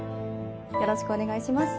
よろしくお願いします。